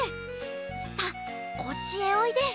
さあこっちへおいで。